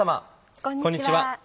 こんにちは。